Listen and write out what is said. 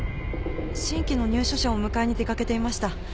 新規の入所者を迎えに出掛けていました。